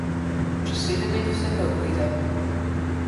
Čez sedem let vse prav pride.